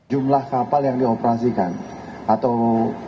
jumlah kapal yang dioperasikan atau